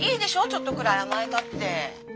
ちょっとくらい甘えたって。